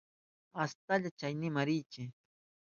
Astalla chaynikman riychi.